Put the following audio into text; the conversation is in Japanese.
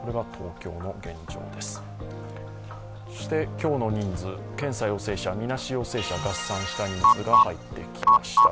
今日の人数、検査陽性者、みなし陽性者合算した人数が入ってきました。